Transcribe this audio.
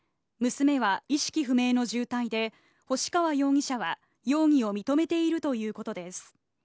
娘は意識不明の重体で、星川容疑者は容疑を認めているということです。